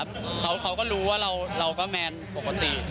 เขาก็รู้ว่าเราก็แมนปกติ